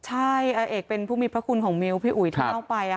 ใช่อาเอกเป็นผู้มีพระคุณของมิวพี่อุ๋ยที่เล่าไป